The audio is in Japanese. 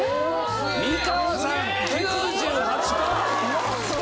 美川さん９８パー！